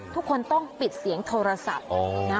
ทุกคนต้องปิดเสียงโทรศัพท์